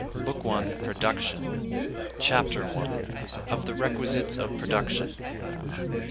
BOOK I. PRODUCTION. Chapter I. Of The Requisites Of Production.